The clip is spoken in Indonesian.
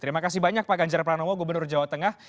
terima kasih banyak pak ganjar pranowo gubernur jawa tengah